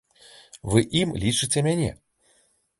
Вы ім лічыце мяне.